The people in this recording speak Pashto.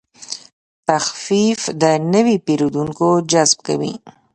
تخفیف د نوي پیرودونکو جذب کوي.